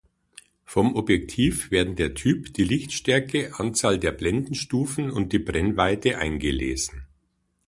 Vom Objektiv werden der Typ, die Lichtstärke, Anzahl der Blendenstufen und die Brennweite eingelesen.